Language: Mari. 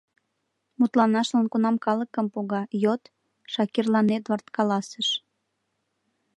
— Мутланашлан кунам калыкым пога — йод, — Шакирлан Эдвард каласыш.